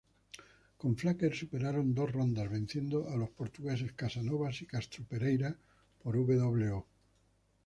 Con Flaquer superaron dos rondas, venciendo a los portugueses Casanovas y Castro-Pereira por "w.o".